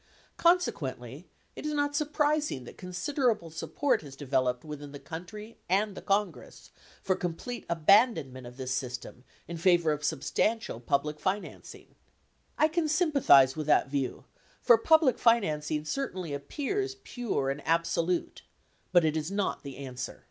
Conse quently, it is not surprising that considerable support has developed within the country and the Congress for complete abandonment of this system in favor of substantial public financing. I can sympathize with that view, for public financing certainly appears pure and abso lute ; but it is not the answer.